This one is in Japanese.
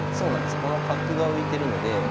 この角が浮いてるので。